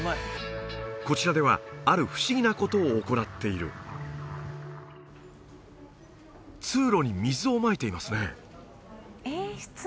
こちらではある不思議なことを行っている通路に水をまいていますね